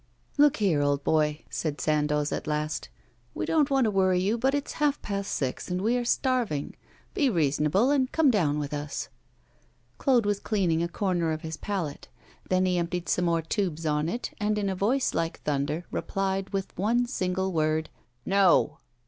'Look here, old boy,' said Sandoz at last, 'we don't want to worry you, but it's half past six, and we are starving. Be reasonable, and come down with us.' Claude was cleaning a corner of his palette. Then he emptied some more tubes on it, and, in a voice like thunder, replied with one single word, 'No.